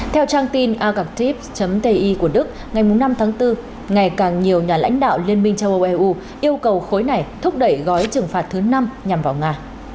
theo trang tin agativs ti của đức ngày năm tháng bốn ngày càng nhiều nhà lãnh đạo liên minh châu âu eu yêu cầu khối này thúc đẩy gói trừng phạt thứ năm nhằm vào nga